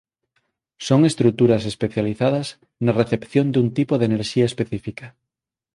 Son estruturas especializadas na recepción dun tipo de enerxía específica.